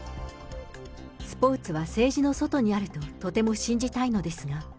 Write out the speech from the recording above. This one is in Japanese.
スポーツは政治の外にあるととても信じたいのですが。